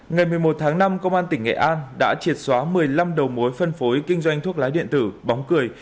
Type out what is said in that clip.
ngày một mươi một tháng năm công an tỉnh nghệ an đã triệt xóa một mươi năm đầu mối phân phối kinh doanh thuốc lá điện tử bóng cười